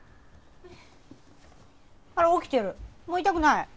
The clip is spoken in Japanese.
あら起きてるもう痛くない？